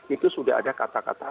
itu sudah ada kata kata